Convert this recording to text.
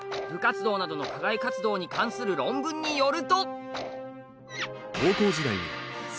部活動などの課外活動に関する論文によると。